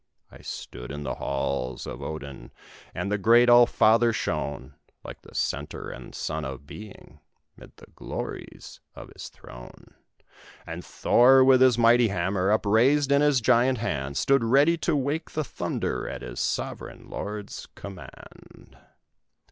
I stood in the halls of Odin, and the great All Father shone Like the centre and sun of Being, 'mid the glories of his throne; And Thor, with his mighty hammer, upraised in his giant hand, Stood ready to wake the thunder at his sovereign Lord's command.